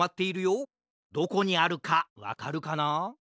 どこにあるかわかるかな？